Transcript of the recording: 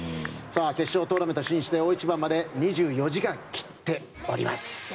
決勝トーナメント進出へ大一番まで２４時間切っております。